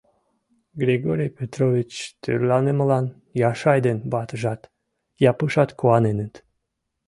Григорий Петрович тӧрланымылан Яшай ден ватыжат, Япушат куаненыт.